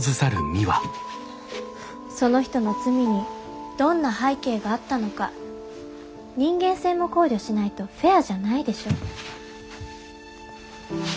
その人の罪にどんな背景があったのか人間性も考慮しないとフェアじゃないでしょ？